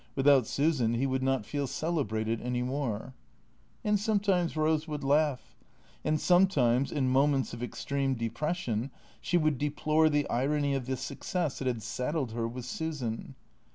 Without Su san he would not feel celebrated any more. And sometimes Eose would laugh ; and sometimes, in mo ments of extreme depression, she would deplore the irony of the success that had saddled her with Susan.